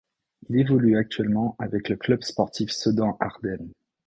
Il évolue actuellement avec le Club Sportif Sedan Ardennes.